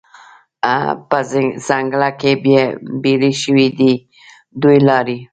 په ځنګله کې بیلې شوې دي دوې لارې